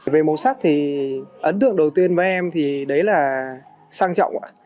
về màu sắc thì ấn tượng đầu tiên với em thì đấy là sang trọng ạ